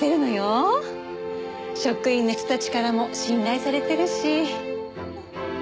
職員の人たちからも信頼されてるし。